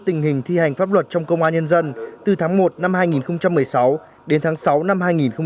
tình hình thi hành pháp luật trong công an nhân dân từ tháng một năm hai nghìn một mươi sáu đến tháng sáu năm hai nghìn một mươi chín